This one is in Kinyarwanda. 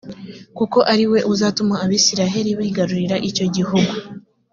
kuko ari we uzatuma abayisraheli bigarurira icyo gihugu.